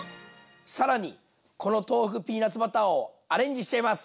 更にこの豆腐ピーナツバターをアレンジしちゃいます！